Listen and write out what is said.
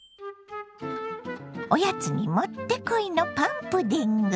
おやつに持ってこいのパンプディング。